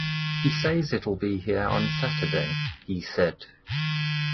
“He says it’ll be here on Saturday,” he said.